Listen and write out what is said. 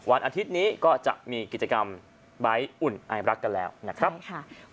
วันอาทิตย์นี้ก็จะมีกิจกรรมใบ้อุ่นไอรักกันแล้วนะครับ